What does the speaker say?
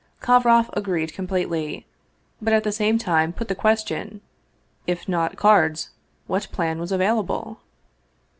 Kovroff agreed completely, but at the same time put the question, if not cards, what plan was available?